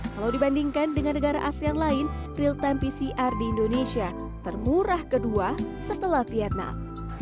kalau dibandingkan dengan negara asean lain real time pcr di indonesia termurah kedua setelah vietnam